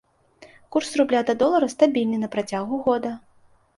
Курс рубля да долара стабільны на працягу года.